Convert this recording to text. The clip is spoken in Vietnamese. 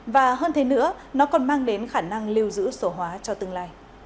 và hơn thế nữa nó còn mang đến khả năng lưu giữ số hóa cho tương lai